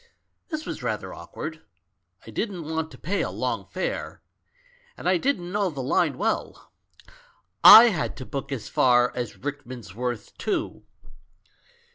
This was rather awkward — I didn't want to pay a long fare, and I didn't know the line well ; I had to book as far as Rickmansworth, too.